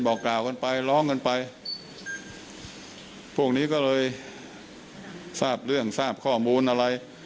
กล่าวกันไปร้องกันไปพวกนี้ก็เลยทราบเรื่องทราบข้อมูลอะไร